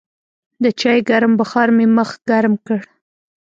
د چای ګرم بخار مې مخ ګرم کړ.